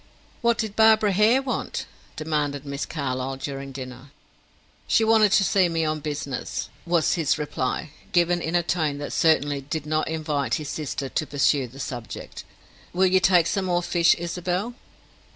"What did Barbara Hare want?" demanded Miss Carlyle, during dinner. "She wanted to see me on business," was his reply, given in a tone that certainly did not invite his sister to pursue the subject. "Will you take some more fish, Isabel?"